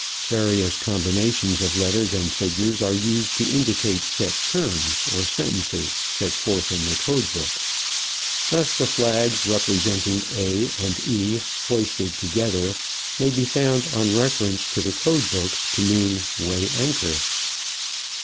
Various combinations of letters and figures are used to indicate set terms or sentences set forth in the code book. Thus the flags representing A and E, hoisted together, may be found on reference to the code book to mean, "Weigh anchor."